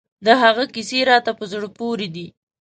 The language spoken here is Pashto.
د هغه کیسې راته په زړه پورې دي.